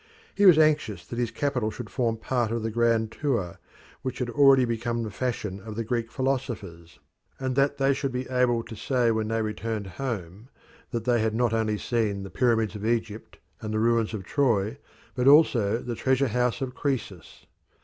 He was anxious that his capital should form part of the grand tour which had already become the fashion of the Greek philosophers, and that they should be able to say when they returned home that they had not only seen the pyramids of Egypt and the ruins of Troy, but also the treasure house of Croesus.